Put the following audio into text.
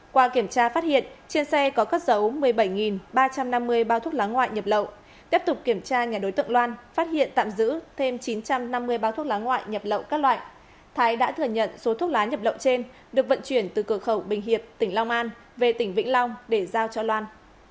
qua kiểm tra phát hiện trên xe có cất dấu một mươi bảy ba trăm năm mươi bao thuốc lá ngoại nhập lậu tiếp tục kiểm tra nhà đối tượng loan phát hiện tạm giữ thêm chín trăm năm mươi bao thuốc lá ngoại nhập lậu các loại thái đã thừa nhận số thuốc lá nhập lậu trên được vận chuyển từ cửa khẩu bình hiệp tỉnh long an về tỉnh vĩnh long để giao cho loan